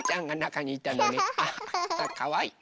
かわいい。